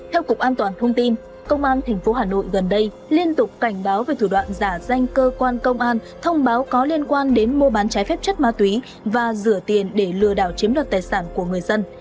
theo cục an toàn thông tin công an tp hà nội gần đây liên tục cảnh báo về thủ đoạn giả danh cơ quan công an thông báo có liên quan đến mua bán trái phép chất ma túy và rửa tiền để lừa đảo chiếm đoạt tài sản của người dân